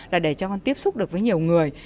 là để cho con tiếp xúc được với nhiều người